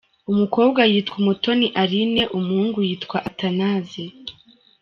Umukobwa yitwa Umutoni Aline, umuhungu yitwa Athanase.